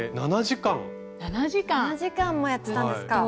７時間もやってたんですか。